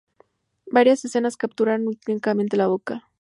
Varias escenas capturan únicamente la boca.